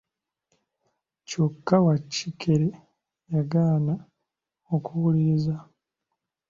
Kyokka Wakikere yagaana okuwuliriza.